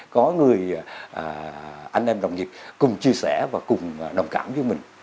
có người anh em đồng nghiệp cùng chia sẻ và cùng đồng cảm với mình